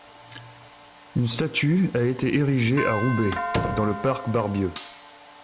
Une statue a été érigée à Roubaix dans le parc Barbieux.